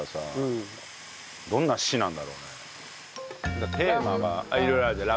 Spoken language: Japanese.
さっきのテーマが色々あるじゃない。